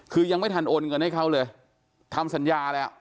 คือยังไม่ทันโอนเงินให้เขาเลยทำสัญญาแล้ว